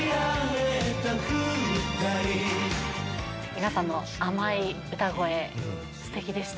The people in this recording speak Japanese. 皆さんの甘い歌声、すてきでした。